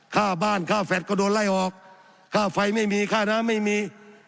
ค่าบ้านค่าแฟลตก็โดนไล่ออกค่าไฟไม่มีค่าน้ำไม่มี